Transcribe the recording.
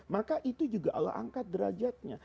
maka itu juga allah angkat derajatnya